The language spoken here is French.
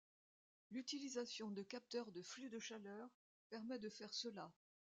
L'utilisation de capteurs de flux de chaleur permet de faire cela.